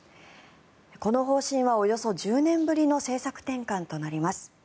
この方針はおよそ１０年ぶりの政策転換となります。